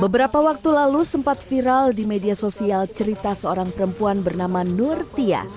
beberapa waktu lalu sempat viral di media sosial cerita seorang perempuan bernama nur tia